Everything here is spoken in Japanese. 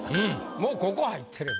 もうここ入ってれば。